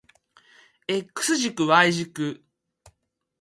X 軸 Y 軸